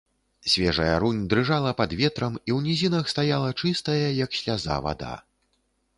Свежая рунь дрыжала пад ветрам, і ў нізінах стаяла чыстая, як сляза, вада.